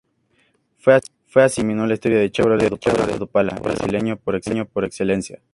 Fue así como terminó la historia del Chevrolet Opala, el auto brasileño por excelencia.